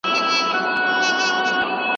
د ملکیار په سبک کې د جملو جوړښت ډېر ساده دی.